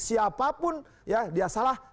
siapapun ya dia salah